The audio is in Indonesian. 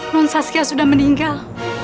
namun saskia sudah meninggal